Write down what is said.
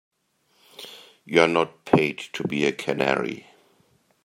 You're not paid to be a canary.